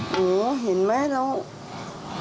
โอ้โฮเห็นไหมแล้ว